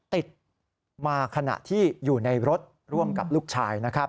ติดมาขณะที่อยู่ในรถร่วมกับลูกชายนะครับ